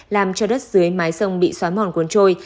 làm cho đất dưới mái sông bị xói mòn cuốn trôi